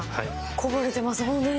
こぼれてます、本当に。